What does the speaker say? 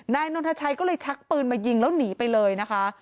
นายนนทชัยก็เลยชักปืนมายิงแล้วหนีไปเลยนะคะ